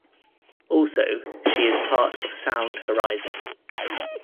Also, she is part of Sound Horizon.